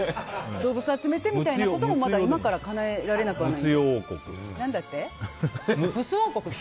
動物を集めてということも今からかなえられなくもない。